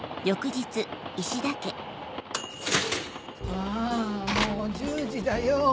あもう１０時だよ。